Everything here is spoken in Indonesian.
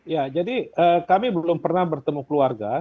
ya jadi kami belum pernah bertemu keluarga